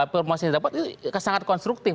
promosi yang didapat itu sangat konstruktif